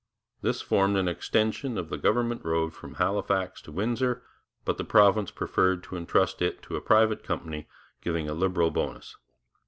This formed an extension of the government road from Halifax to Windsor, but the province preferred to entrust it to a private company, giving a liberal bonus.